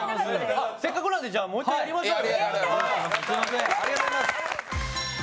せっかくなんでもう一度やりましょうか。